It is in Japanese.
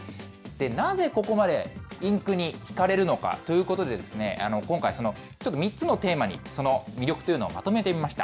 なぜここまでインクに引かれるのかということで、今回、ちょっと３つのテーマに、その魅力というのをまとめてみました。